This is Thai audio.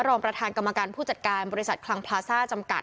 รองประธานกรรมการผู้จัดการบริษัทคลังพลาซ่าจำกัด